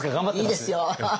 いいですよ！